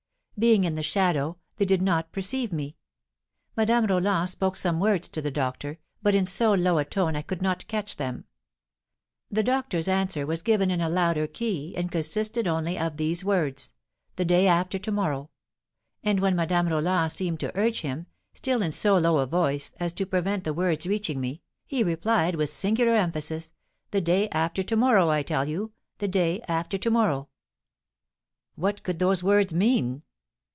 Being in the shadow, they did not perceive me; Madame Roland spoke some words to the doctor, but in so low a tone I could not catch them; the doctor's answer was given in a louder key, and consisted only of these words: 'The day after to morrow;' and, when Madame Roland seemed to urge him, still in so low a voice as to prevent the words reaching me, he replied, with singular emphasis, 'The day after to morrow, I tell you, the day after to morrow.'" "What could those words mean?"